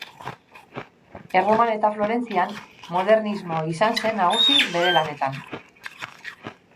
Erroman eta Florentzian modernismo izan zen nagusi bere lanetan.